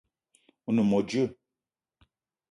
O ne mo djeue?